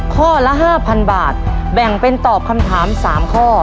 ข้อละ๕๐๐๐บาทแบ่งเป็นตอบคำถาม๓ข้อ